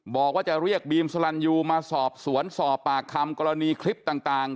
บอกว่าจะเรียกบีมสลันยูมาสอบสวนสอบปากคำกรณีคลิปต่าง